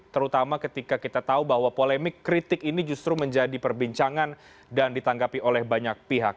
terutama ketika kita tahu bahwa polemik kritik ini justru menjadi perbincangan dan ditanggapi oleh banyak pihak